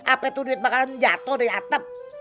apa itu duit makanan jatuh dari atap